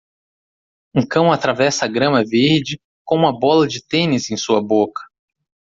Um cão atravessa a grama verde com uma bola de tênis em sua boca.